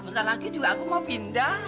bentar lagi juga aku mau pindah